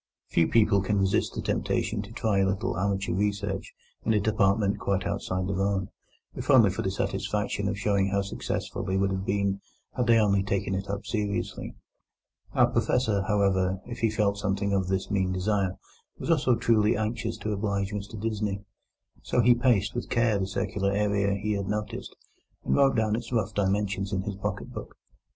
Few people can resist the temptation to try a little amateur research in a department quite outside their own, if only for the satisfaction of showing how successful they would have been had they only taken it up seriously. Our Professor, however, if he felt something of this mean desire, was also truly anxious to oblige Mr Disney. So he paced with care the circular area he had noticed, and wrote down its rough dimensions in his pocket book.